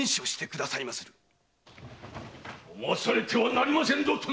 ・騙されてはなりませぬぞ殿！